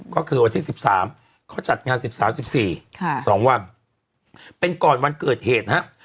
ก็คือวันที่๑๓เขาจัดงาน๑๓๑๔๒วันเป็นก่อนวันเกิดเหตุนะครับ